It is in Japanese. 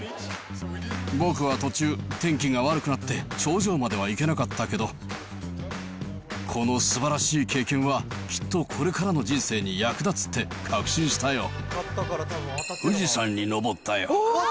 僕は途中、天気が悪くなって頂上までは行けなかったけど、このすばらしい経験はきっとこれからの人生に役立つって確信した富士山に登ったよ。